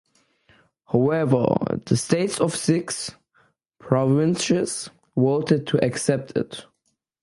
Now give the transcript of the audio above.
However, the States of six provinces voted to accept it.